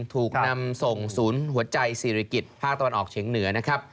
ถูกนำส่งศูนย์หัวใจศิริกิจภาคตะวันออกเฉียงเหนือนะครับ